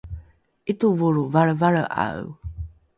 ’itovolro valrevalre’ae